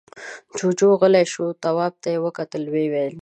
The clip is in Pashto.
جُوجُو غلی شو، تواب ته يې وکتل، ويې ويل: